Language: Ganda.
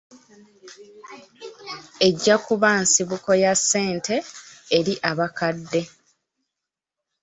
Ejja kuba nsibuko ya ssente eri abakadde.